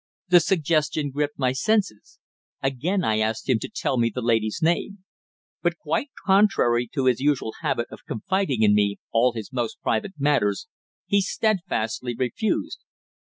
The suggestion gripped my senses. Again I asked him to tell me the lady's name. But, quite contrary to his usual habit of confiding in me all his most private affairs, he steadfastly refused.